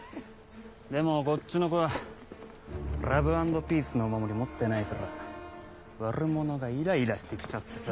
でもこっちの子はラブ＆ピースのお守り持ってないから悪者がイライラして来ちゃってさ。